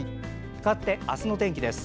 かわって明日の天気です。